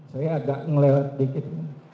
saya agak melewat sedikit